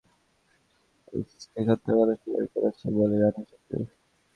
প্রাথমিক জিজ্ঞাসাবাদে কাওসার স্ত্রীকে হত্যার কথা স্বীকার করেছে বলে জানিয়েছে পুলিশ।